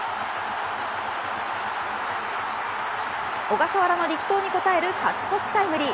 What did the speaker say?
小笠原の力投に応える勝ち越しタイムリー。